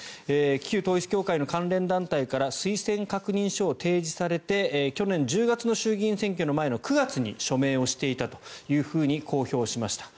旧統一教会の関連団体から推薦確認書を提示されて去年１０月の衆議院選挙の前の９月に署名していたと公表しました。